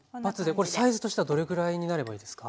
これサイズとしてはどれぐらいになればいいですか？